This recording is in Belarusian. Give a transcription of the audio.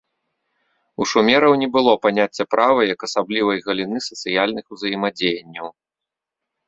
У шумераў не было паняцця права як асаблівай галіны сацыяльных узаемадзеянняў.